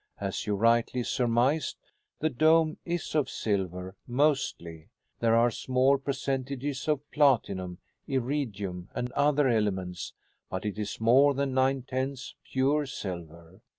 As you rightly surmised, the dome is of silver mostly. There are small percentages of platinum, iridium, and other elements, but it is more than nine tenths pure silver.